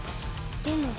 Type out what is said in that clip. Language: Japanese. でも。